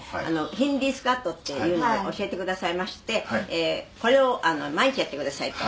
ヒンドゥースクワットっていうのを教えてくださいましてこれを毎日やってくださいと。